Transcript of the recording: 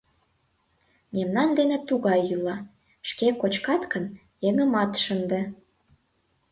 — Мемнан дене тугай йӱла: шке кочкат гын, еҥымат шынде.